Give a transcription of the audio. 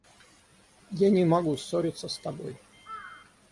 Я не могу ссориться с тобой.